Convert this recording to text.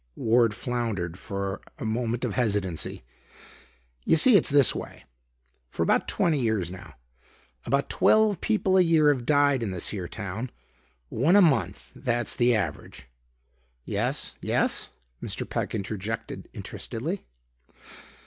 Ward floundered for a moment of hesitancy. "You see, it's this way. For about twenty years, now, about twelve people a year have died in this here town; one a month; that's the average." "Yes; yes?" Mr. Peck interjected interestedly.